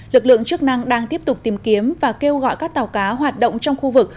lực lượng chức năng đang tiếp tục tìm kiếm và kêu gọi các tàu cá hoạt động trong khu vực